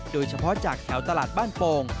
โดยเฉพาะจากแถวตลาดบ้านโป่ง